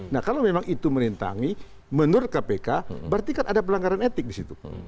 nah kalau memang itu merintangi menurut kpk berarti kan ada pelanggaran etik di situ